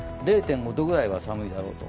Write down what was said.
０．５度くらい寒いだろうと。